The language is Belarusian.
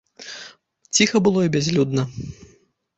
Ціха было і бязлюдна.